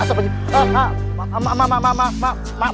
eh eh eh asap lagi